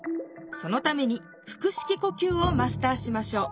そのために腹式呼吸をマスターしましょう。